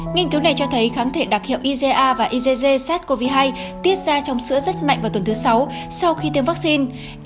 nghiên cứu này cho thấy kháng thể đặc hiệu iza và igc sars cov hai tiết ra trong sữa rất mạnh vào tuần thứ sáu sau khi tiêm vaccine